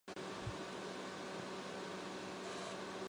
最终男子手球及女子手球分别由克罗地亚及丹麦夺得金牌。